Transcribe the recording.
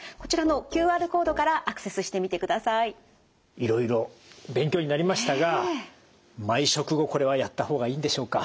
いろいろ勉強になりましたが毎食後これはやった方がいいんでしょうか？